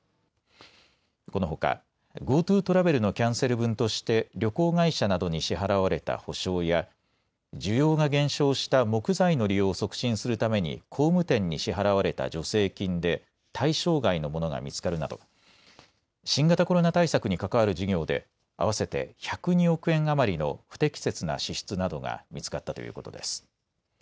このほか、ＧｏＴｏトラベルのキャンセル分として旅行会社などに支払われた補償や需要が減少した木材の利用を促進するために工務店に支払われた助成金で対象外のものが見つかるなど新型コロナ対策に関わる事業で合わせて１０２億円余りの不適切な支出などが見つかったということです。